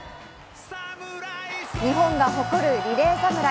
日本が誇るリレー侍。